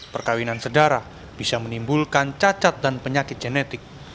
perkawinan sedara bisa menimbulkan cacat dan penyakit genetik